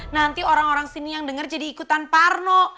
nanti orang orang sini yang denger jadi ikutan parno